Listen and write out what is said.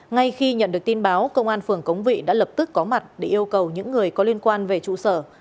ngay khi nhận được tin báo công an phường cống vị đã lập tức có mặt để yêu cầu những người có liên quan về trụ sở